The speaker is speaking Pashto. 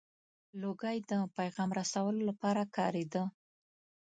• لوګی د پیغام رسولو لپاره کارېده.